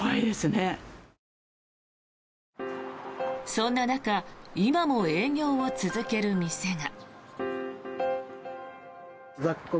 そんな中今も営業を続ける店が。